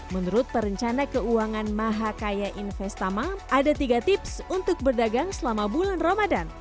menurut perencana keuangan mahakaya investama ada tiga tips untuk berdagang selama bulan ramadan